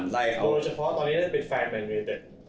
โดยเฉพาะว่าตอนนี้น่าจะเป็นแฟนแมนเวียเต็ด